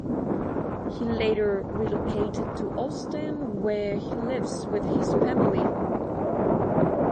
He later relocated to Ostend where he lives with his family.